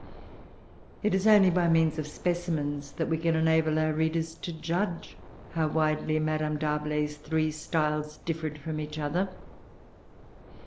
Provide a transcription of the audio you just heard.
It is only by means of specimens that we can enable[Pg 390] our readers to judge how widely Madame D'Arblay's three styles differed from each other.